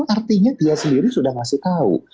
artinya dia sendiri sudah memberitahu